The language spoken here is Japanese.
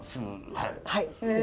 はい。